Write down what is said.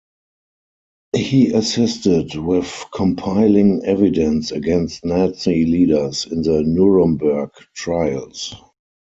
He assisted with compiling evidence against Nazi leaders in the Nuremberg trials.